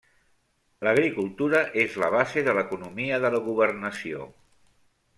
L'agricultura és la base de l'economia de la governació.